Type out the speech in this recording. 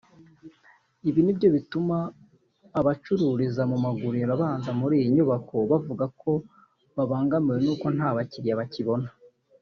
Ibi nibyo bituma abacururiza mu maguriro abanza muri iyi nyubako bavuga ko babangamiwe no kuba nta bakiriya bakibona